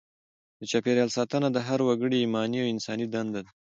د چاپیریال ساتنه د هر وګړي ایماني او انساني دنده ده.